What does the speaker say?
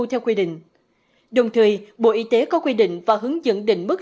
theo quy định đồng thời bộ y tế có quy định và hướng dẫn định mức